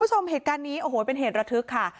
คุณผู้ชมเหตุการณ์นี้โอ้โหเป็นเหตุระทึกค่ะ